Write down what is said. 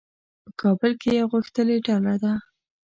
په کابل کې یوه غښتلې ډله ده.